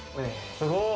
すごい。